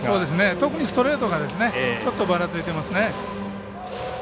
特にストレートがばらついていますね。